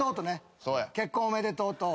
「結婚おめでとう」と。